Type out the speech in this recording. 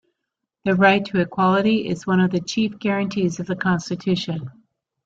The Right to Equality is one of the chief guarantees of the Constitution.